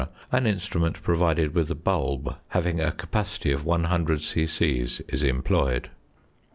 an instrument provided with a bulb having a capacity of 100 c.c. is employed.